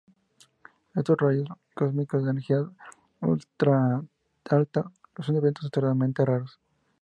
Estos rayos cósmicos de energía ultra-alta son eventos extremadamente raros.